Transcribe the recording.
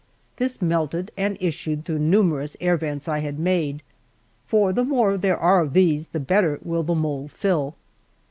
This melted and issued through numerous air vents I had made; for the more there are of these, the better will the mould fill.